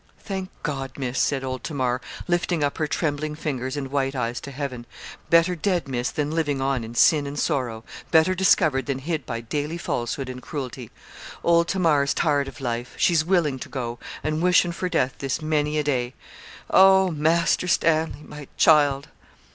'Thank God, Miss,' said old Tamar, lifting up her trembling fingers and white eyes to Heaven. 'Better dead, Miss, than living on in sin and sorrow, better discovered than hid by daily falsehood and cruelty. Old Tamar's tired of life; she's willing to go, and wishin' for death this many a day. Oh! Master Stanley, my child!'